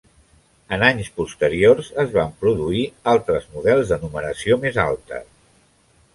En anys posteriors es van produir altres models de numeració més alta.